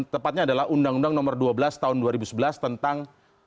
tepatnya adalah undang undang nomor dua belas tahun dua ribu sebelas tentang